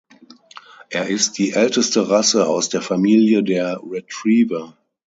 Er ist die älteste Rasse aus der Familie der Retriever.